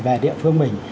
về địa phương mình